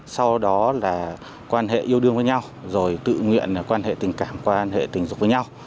sau đó là quan hệ yêu đương với nhau rồi tự nguyện quan hệ tình cảm quan hệ tình dục với nhau